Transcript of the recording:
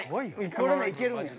これはいけるんやな？